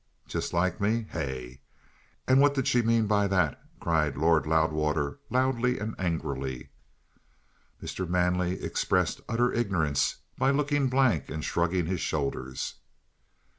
"Just like me? Hey? And what did she mean by that?" cried Lord Loudwater loudly and angrily. Mr. Manley expressed utter ignorance by looking blank and shrugging his shoulders.